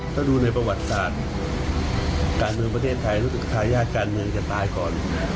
ถ้าดูในประวัติศาสตร์การเมืองประเทศไทยรู้สึกทายาทการเมืองจะตายก่อน